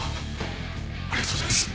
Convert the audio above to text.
ありがとうございます。